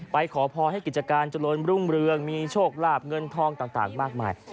ไปขอพอให้กิจการจริงมีโชคลาบเงื่อนทองต่างมากมาย